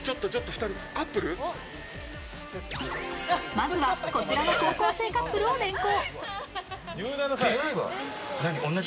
まずはこちらの高校生カップルを連行。